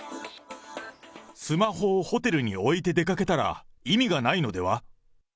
スマホをホテルに置いて出かけたら意味がないのでは？